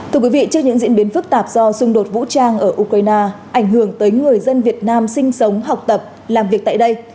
thưa quý vị trước những diễn biến phức tạp do xung đột vũ trang ở ukraine ảnh hưởng tới người dân việt nam sinh sống học tập làm việc tại đây